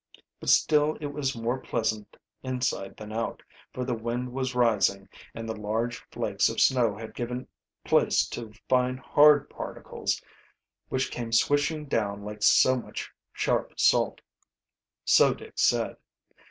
But still it was more pleasant inside than out, for the wind was rising and the large flakes of snow had given place to fine hard particles which came swishing down like so much sharp salt, so Dick said.